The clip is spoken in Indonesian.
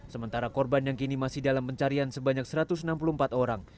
sementara korban yang kini masih dalam pencarian sebanyak satu ratus enam puluh empat orang